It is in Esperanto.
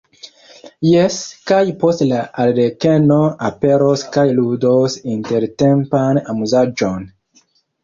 Jes, kaj poste la arlekeno aperos kaj ludos intertempan amuzaĵon.